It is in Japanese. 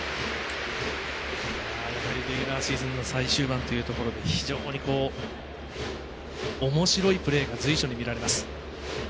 レギュラーシーズンの最終盤というところで非常におもしろいプレーが随所に見られます。